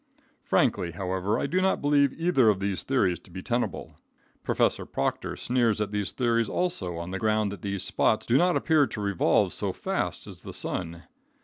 Frankly, however, I do not believe either of these theories to be tenable. Prof. Proctor sneers at these theories also on the ground that these spots do not appear to revolve so fast as the sun.